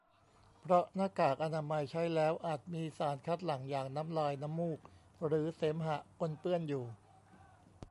เพราะหน้ากากอนามัยใช้แล้วอาจมีสารคัดหลั่งอย่างน้ำลาย น้ำมูก หรือเสมหะปนเปื้อนอยู่